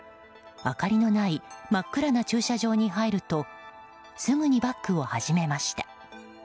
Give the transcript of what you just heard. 明かりのない真っ暗な駐車場に入るとすぐにバックを始めました。